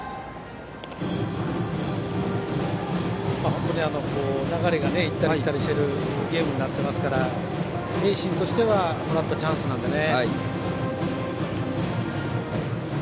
本当に流れが行ったり来たりしているゲームになってますから盈進としてはもらったチャンスなのでね。